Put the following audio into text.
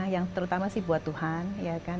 yang terutama sih buat tuhan